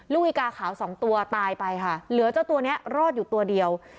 ลูกอีกาขาวสองตัวตายไปค่ะเหลือเจ้าตัวนี้รอดอยู่ตัวเดียว